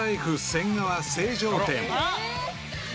仙川成城店］